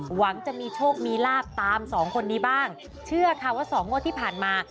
หวังจะมีโชคมีลาบตามสองคนนี้บ้างเชื่อค่ะว่าสองงวดที่ผ่านมา